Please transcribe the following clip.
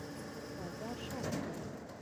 بازار شاته دی